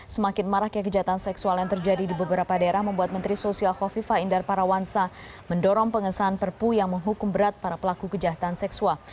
semakin maraknya kejahatan seksual yang terjadi di beberapa daerah membuat menteri sosial khofifa indar parawansa mendorong pengesahan perpu yang menghukum berat para pelaku kejahatan seksual